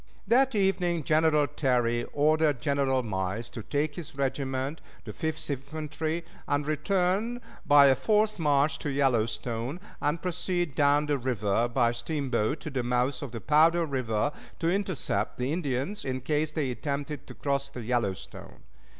That evening General Terry ordered General Miles to take his regiment, the Fifth Infantry, and return by a forced march to Yellowstone, and proceed down the river by steamboat to the mouth of the Powder River, to intercept the Indians, in case they attempted to cross the Yellowstone.